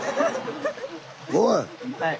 おい！